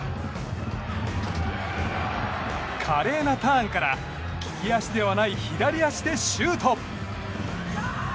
華麗なターンから利き足ではない左足でシュート！